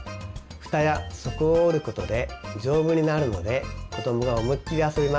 フタや底を折ることで丈夫になるので子どもが思いっきり遊べます。